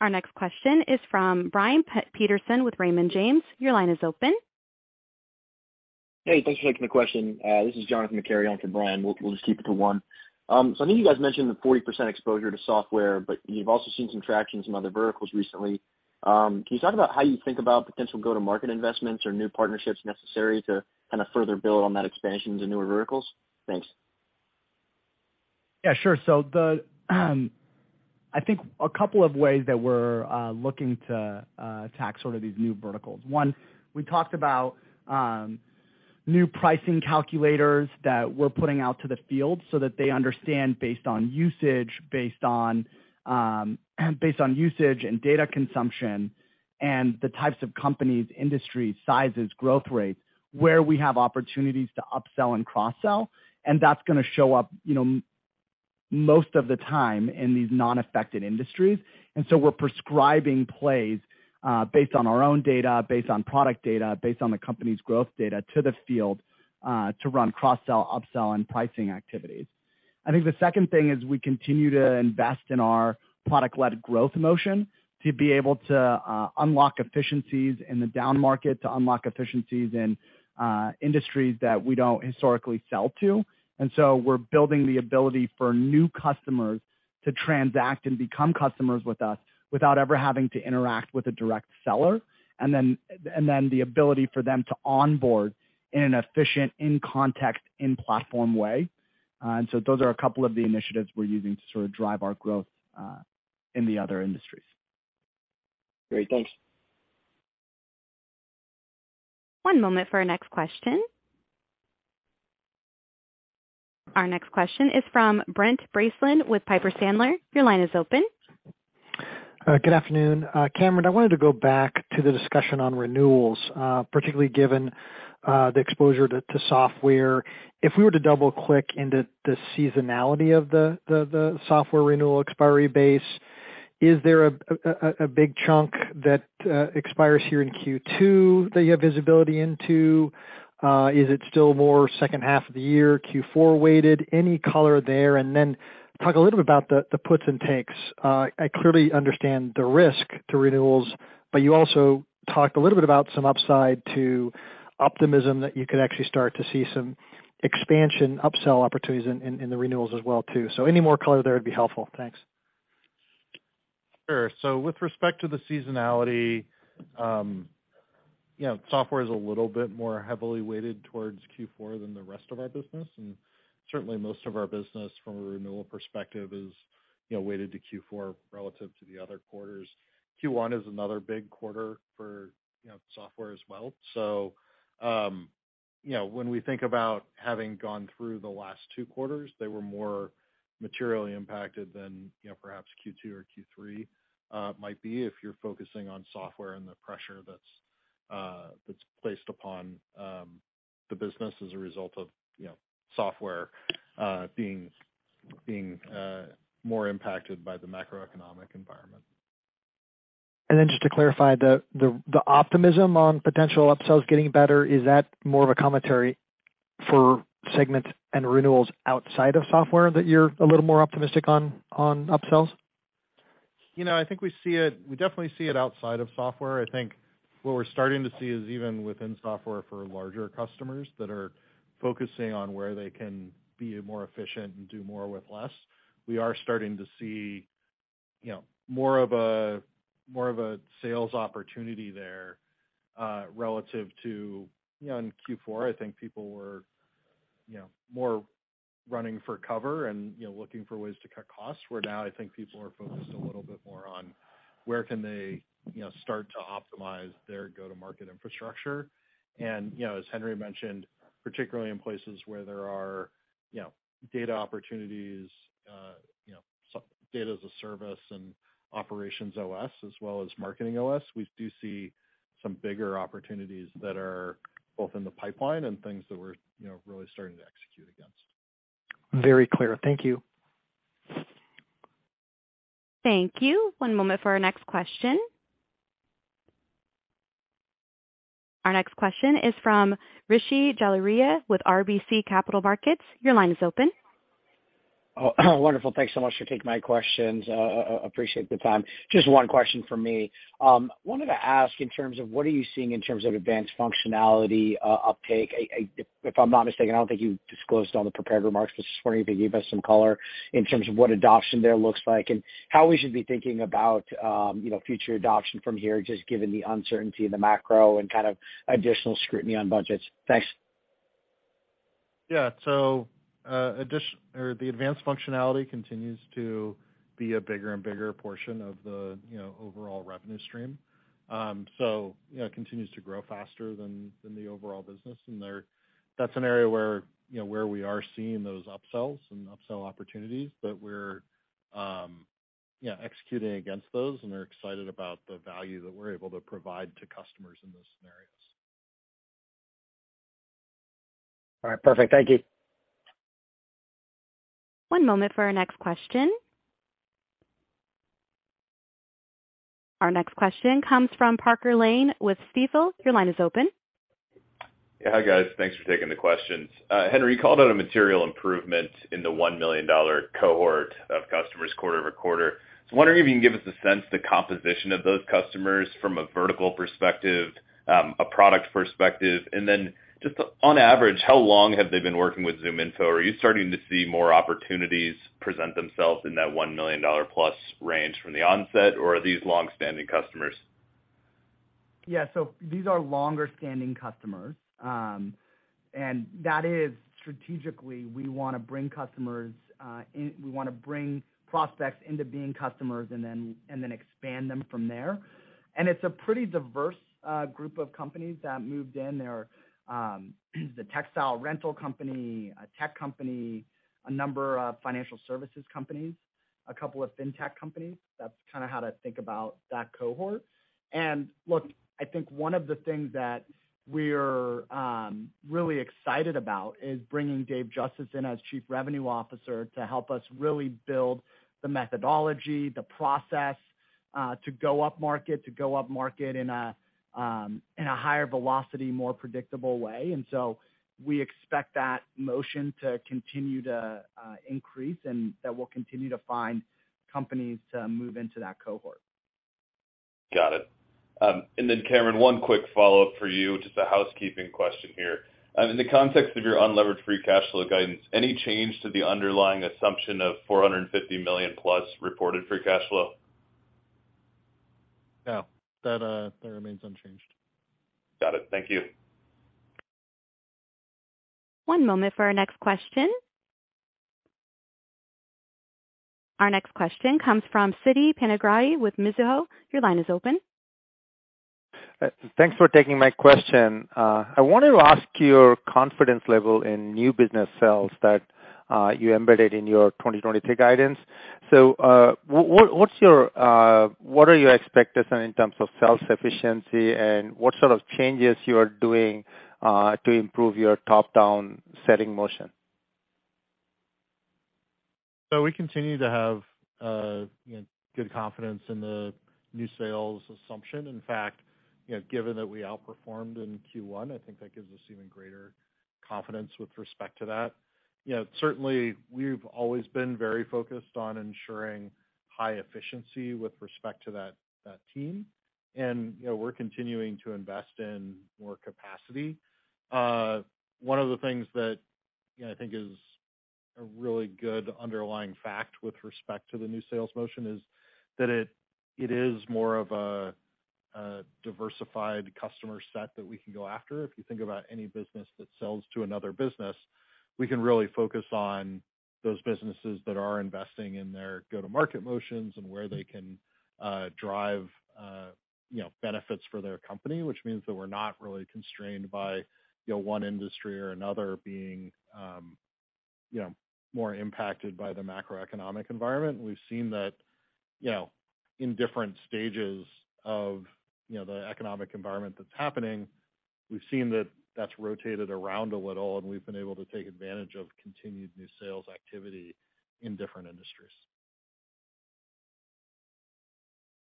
Our next question is from Brian Peterson with Raymond James. Your line is open. Hey, thanks for taking the question. This is Jonathan McCary on for Brian. We'll just keep it to one. I know you guys mentioned the 40% exposure to software, but you've also seen some traction in some other verticals recently. Can you talk about how you think about potential go-to-market investments or new partnerships necessary to kind of further build on that expansion into newer verticals? Thanks. Yeah, sure. I think a couple of ways that we're looking to attack sort of these new verticals. One, we talked about new pricing calculators that we're putting out to the field so that they understand based on usage, based on usage and data consumption and the types of companies, industries, sizes, growth rates, where we have opportunities to upsell and cross-sell. That's gonna show up, you know, most of the time in these non-affected industries. We're prescribing plays, based on our own data, based on product data, based on the company's growth data to the field, to run cross-sell, upsell and pricing activities. I think the second thing is we continue to invest in our product-led growth motion to be able to unlock efficiencies in the down market, to unlock efficiencies in industries that we don't historically sell to. We're building the ability for new customers to transact and become customers with us without ever having to interact with a direct seller. The ability for them to onboard in an efficient, in context, in platform way. Those are a couple of the initiatives we're using to sort of drive our growth in the other industries. Great. Thanks. One moment for our next question. Our next question is from Brent Bracelin with Piper Sandler. Your line is open. Good afternoon. Cameron, I wanted to go back to the discussion on renewals, particularly given the exposure to software. If we were to double-click into the seasonality of the software renewal expiry base, is there a big chunk that expires here in Q2 that you have visibility into? Is it still more second half of the year, Q4 weighted? Any color there? Then talk a little bit about the puts and takes. I clearly understand the risk to renewals, but you also talked a little bit about some upside to optimism that you could actually start to see some expansion upsell opportunities in the renewals as well too. Any more color there would be helpful. Thanks. Sure. With respect to the seasonality, you know, software is a little bit more heavily weighted towards Q4 than the rest of our business. Certainly, most of our business from a renewal perspective is, you know, weighted to Q4 relative to the other quarters. Q1 is another big quarter for, you know, software as well. When we think about having gone through the last two quarters, they were more materially impacted than, you know, perhaps Q2 or Q3 might be if you're focusing on software and the pressure that's that's placed upon the business as a result of, you know, software being more impacted by the macroeconomic environment. Just to clarify, the optimism on potential upsells getting better, is that more of a commentary for segments and renewals outside of software that you're a little more optimistic on upsells? You know, I think we definitely see it outside of software. I think what we're starting to see is even within software for larger customers that are focusing on where they can be more efficient and do more with less, we are starting to see, you know, more of a, more of a sales opportunity there, relative to, you know, in Q4, I think people were, you know, more running for cover and, you know, looking for ways to cut costs, where now I think people are focused a little bit more on where can they, you know, start to optimize their go-to-market infrastructure. You know, as Henry mentioned, particularly in places where there are, you know, data opportunities, you know, so data as a service and OperationsOS as well as MarketingOS, we do see some bigger opportunities that are both in the pipeline and things that we're, you know, really starting to execute against. Very clear. Thank you. Thank you. One moment for our next question. Our next question is from Rishi Jaluria with RBC Capital Markets. Your line is open. Wonderful. Thanks so much for taking my questions. Appreciate the time. Just one question from me. Wanted to ask in terms of what are you seeing in terms of advanced functionality uptake? If I'm not mistaken, I don't think you disclosed it on the prepared remarks. Just wondering if you gave us some color in terms of what adoption there looks like and how we should be thinking about, you know, future adoption from here, just given the uncertainty in the macro and kind of additional scrutiny on budgets. Thanks? Yeah. The advanced functionality continues to be a bigger and bigger portion of the, you know, overall revenue stream. You know, it continues to grow faster than the overall business. That's an area where, you know, where we are seeing those upsells and upsell opportunities, but we're, you know, executing against those, and they're excited about the value that we're able to provide to customers in those scenarios. All right, perfect. Thank you. One moment for our next question. Our next question comes from Parker Lane with Stifel. Your line is open. Hi, guys. Thanks for taking the questions. Henry, you called out a material improvement in the $1 million cohort of customers quarter-over-quarter. Wondering if you can give us a sense the composition of those customers from a vertical perspective, a product perspective. Just on average, how long have they been working with ZoomInfo? Are you starting to see more opportunities present themselves in that $1 million-plus range from the onset, or are these long-standing customers? Yeah. These are longer standing customers, and that is strategically, we wanna bring customers, we wanna bring prospects into being customers and then expand them from there. It's a pretty diverse group of companies that moved in. They are the textile rental company, a tech company, a number of financial services companies, a couple of fintech companies. That's kinda how to think about that cohort. Look, I think one of the things that we're really excited about is bringing Dave Justice in as chief revenue officer to help us really build the methodology, the process, to go up market, to go up market in a higher velocity, more predictable way. We expect that motion to continue to increase and that we'll continue to find companies to move into that cohort. Got it. Cameron, one quick follow-up for you, just a housekeeping question here. In the context of your unlevered free cash flow guidance, any change to the underlying assumption of $450 million plus reported free cash flow? No, that remains unchanged. Got it. Thank you. One moment for our next question. Our next question comes from Siti Panigrahi with Mizuho. Your line is open. Thanks for taking my question. I wanted to ask your confidence level in new business sales that you embedded in your 2023 guidance. What are your expectations in terms of sales efficiency and what sort of changes you are doing to improve your top-down setting motion? We continue to have, you know, good confidence in the new sales assumption. In fact, you know, given that we outperformed in Q1, I think that gives us even greater confidence with respect to that. You know, certainly we've always been very focused on ensuring high efficiency with respect to that team. You know, we're continuing to invest in more capacity. One of the things that, you know, I think is a really good underlying fact with respect to the new sales motion is that it is more of a diversified customer set that we can go after. If you think about any business that sells to another business, we can really focus on those businesses that are investing in their go-to-market motions and where they can drive, you know, benefits for their company, which means that we're not really constrained by, you know, one industry or another being, you know, more impacted by the macroeconomic environment. We've seen that, you know, in different stages of, you know, the economic environment that's happening, we've seen that that's rotated around a little, and we've been able to take advantage of continued new sales activity in different industries.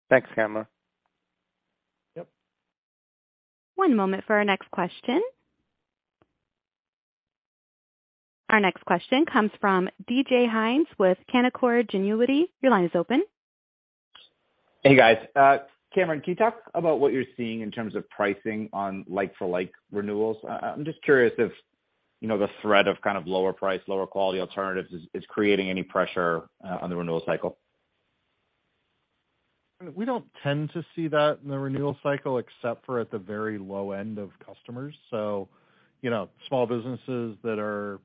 Thanks, Cameron. Yep. One moment for our next question. Our next question comes from DJ Hynes with Canaccord Genuity. Your line is open. Hey, guys. Cameron, can you talk about what you're seeing in terms of pricing on like-for-like renewals? I'm just curious if, you know, the threat of kind of lower price, lower quality alternatives is creating any pressure on the renewal cycle. We don't tend to see that in the renewal cycle except for at the very low end of customers. You know, small businesses that are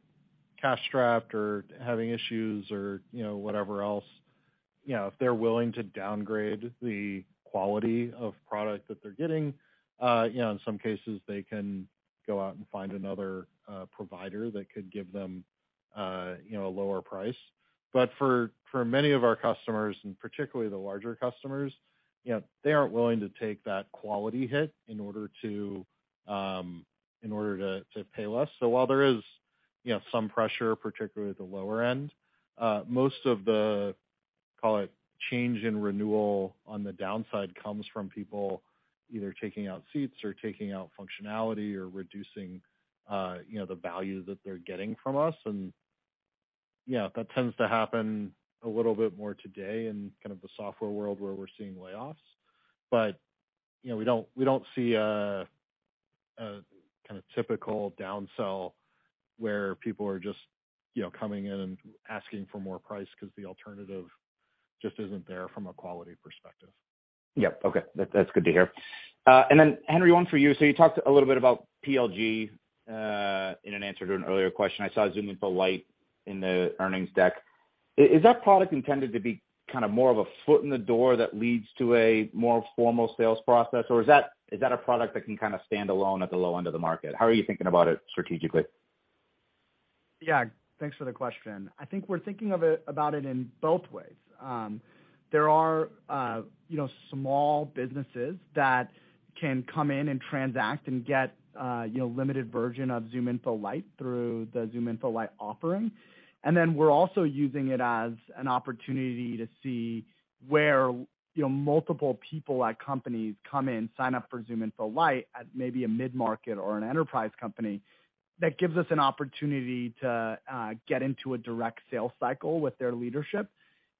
cash-strapped or having issues or, you know, whatever else, you know, if they're willing to downgrade the quality of product that they're getting, you know, in some cases, they can go out and find another provider that could give them, you know, a lower price. For many of our customers, and particularly the larger customers, you know, they aren't willing to take that quality hit in order to pay less. While there is, you know, some pressure, particularly at the lower end, most of the, call it change in renewal on the downside comes from people either taking out seats or taking out functionality or reducing, you know, the value that they're getting from us. Yeah, that tends to happen a little bit more today in kind of the software world where we're seeing layoffs. You know, we don't see a kind of typical downsell where people are just, you know, coming in and asking for more price because the alternative just isn't there from a quality perspective. Yep. Okay. That's good to hear. Henry, one for you. You talked a little bit about PLG in an answer to an earlier question. I saw ZoomInfo Lite in the earnings deck. Is that product intended to be kind of more of a foot in the door that leads to a more formal sales process, or is that a product that can kind of stand alone at the low end of the market? How are you thinking about it strategically? Yeah. Thanks for the question. I think we're thinking about it in both ways. There are, you know, small businesses that can come in and transact and get, you know, limited version of ZoomInfo Lite through the ZoomInfo Lite offering. We're also using it as an opportunity to see where, you know, multiple people at companies come in, sign up for ZoomInfo Lite at maybe a mid-market or an enterprise company that gives us an opportunity to get into a direct sales cycle with their leadership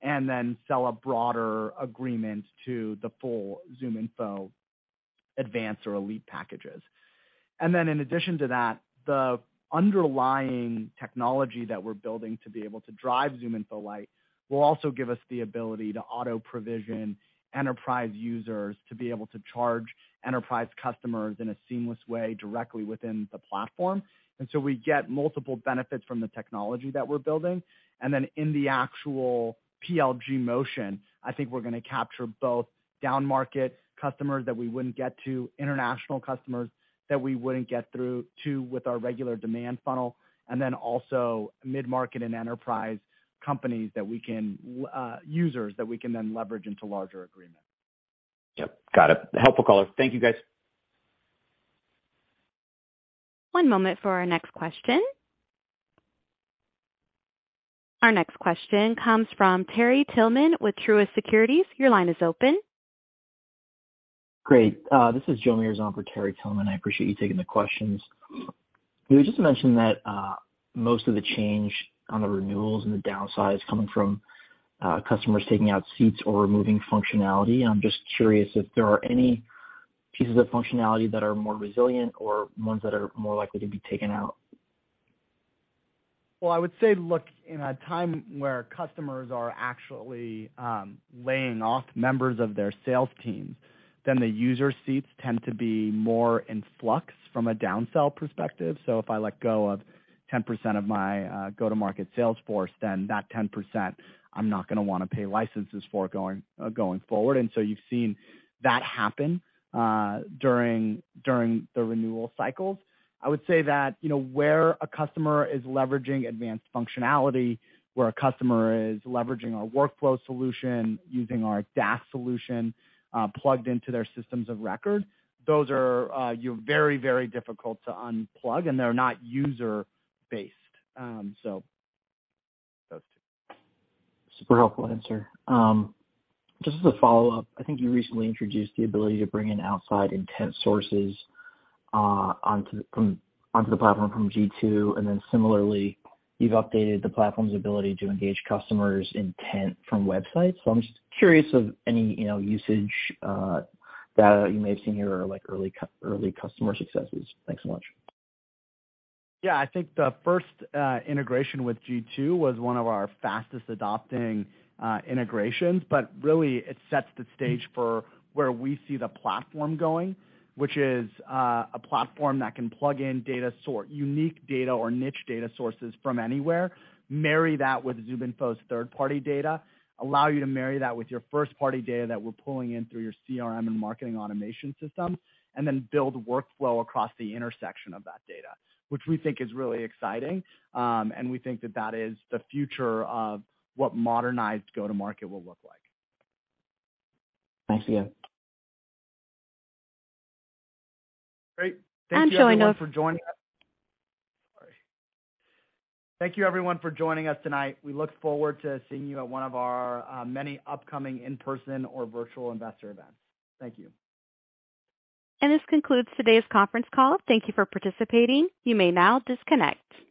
and then sell a broader agreement to the full ZoomInfo advanced or elite packages. In addition to that, the underlying technology that we're building to be able to drive ZoomInfo Lite will also give us the ability to auto-provision enterprise users to be able to charge enterprise customers in a seamless way directly within the platform. We get multiple benefits from the technology that we're building. In the actual PLG motion, I think we're gonna capture both down-market customers that we wouldn't get to, international customers that we wouldn't get through to with our regular demand funnel, and then also mid-market and enterprise users that we can then leverage into larger agreements. Yep. Got it. Helpful call. Thank you, guys. One moment for our next question. Our next question comes from Terry Tillman with Truist Securities. Your line is open. Great. This is Joe Meares for Terry Tillman. I appreciate you taking the questions. You just mentioned that most of the change on the renewals and the downsize coming from customers taking out seats or removing functionality. I'm just curious if there are any pieces of functionality that are more resilient or ones that are more likely to be taken out. Well, I would say, look, in a time where customers are actually laying off members of their sales teams, then the user seats tend to be more in flux from a downsell perspective. If I let go of 10% of my go-to-market sales force, then that 10% I'm not gonna wanna pay licenses for going forward. You've seen that happen during the renewal cycles. I would say that, you know, where a customer is leveraging advanced functionality, where a customer is leveraging our workflow solution, using our DaaS solution, plugged into their systems of record, those are very, very difficult to unplug, and they're not user-based. So those two. Super helpful answer. just as a follow-up, I think you recently introduced the ability to bring in outside intent sources, onto the platform from G2. Similarly, you've updated the platform's ability to engage customers' intent from websites. I'm just curious of any, you know, usage, data you may have seen or like early customer successes. Thanks so much. Yeah. I think the first integration with G2 was one of our fastest adopting integrations. Really it sets the stage for where we see the platform going, which is a platform that can plug in data source, unique data or niche data sources from anywhere, marry that with ZoomInfo's third-party data, allow you to marry that with your first-party data that we're pulling in through your CRM and marketing automation system. Then build workflow across the intersection of that data, which we think is really exciting. We think that that is the future of what modernized go-to-market will look like. Thanks. Yeah. Great. Thank you, everyone, for joining us. joining us- Sorry. Thank you, everyone, for joining us tonight. We look forward to seeing you at one of our many upcoming in-person or virtual investor events. Thank you. This concludes today's conference call. Thank you for participating. You may now disconnect.